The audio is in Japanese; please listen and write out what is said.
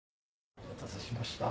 お待たせしました。